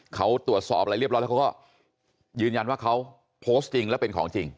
เขาตรวจสอบอะไรเรียบร้อยแล้วเขาก็ยืนยันว่าเขาโพสต์จริงแล้วเป็นของจริง